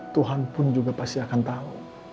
tuhan pun juga pasti akan tahu